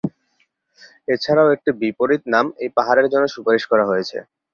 এছাড়াও একটি বিপরীত নাম এই পাহাড়ের জন্য সুপারিশ করা হয়েছে।